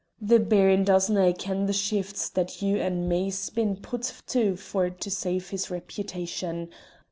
The Baron doesnae ken the shifts that you and me's been put to for to save his repitation.